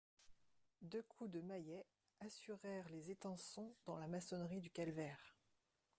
Deux coups de maillets assurèrent les étançons dans la maçonnerie du calvaire.